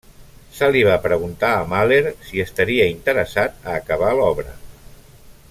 Se li va preguntar a Mahler si estaria interessat a acabar l'obra.